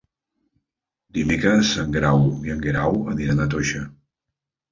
Dimecres en Grau i en Guerau aniran a Toixa.